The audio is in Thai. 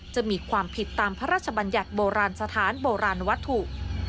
จะมีความผิดตามพระราชบัญญัติโบราณสถานโบราณวัตถุ